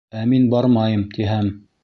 — Ә мин, бармайым, тиһәм.